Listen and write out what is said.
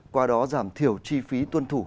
qua đó giảm thiểu chi phí tuân thủ